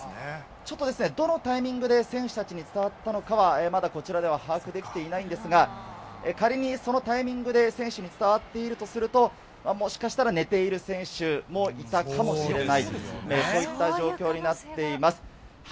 ちょっとですね、どのタイミングで選手たちに伝わったのかは、まだこちらでは把握できていないんですが、仮にそのタイミングで選手に伝わっているとすると、もしかしたら寝ている選手もいたかもしれない、そういった状況になっています。